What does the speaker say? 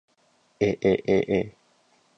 aaaa